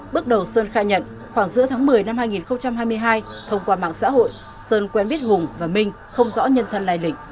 bước đầu sơn khai nhận khoảng giữa tháng một mươi năm hai nghìn hai mươi hai thông qua mạng xã hội sơn quen biết hùng và minh không rõ nhân thân lai lịch